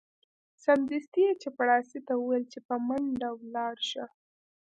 سمدستي یې چپړاسي ته وویل چې په منډه ولاړ شه.